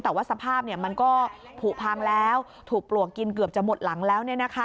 แต่ว่าสภาพมันก็ผูกพังแล้วถูกปลวกกินเกือบจะหมดหลังแล้ว